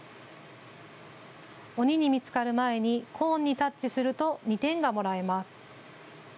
鬼に見つかる前にコーンにタッチすると２点がもらえます。